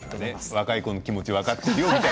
若い子の気持ち分かっているようなね。